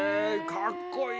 かっこいい。